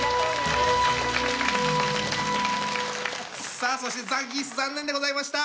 さあそしてザ・ギース残念でございました。